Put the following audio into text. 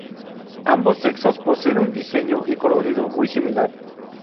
Ambos sexos poseen un diseño y colorido muy similar.